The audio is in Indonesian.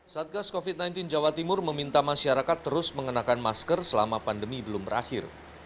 satgas covid sembilan belas jawa timur meminta masyarakat terus mengenakan masker selama pandemi belum berakhir